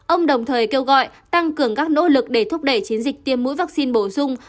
ông đồng thời kêu gọi tăng cường các nỗ lực để thúc đẩy chiến dịch tiêm mũi vaccine bổ sung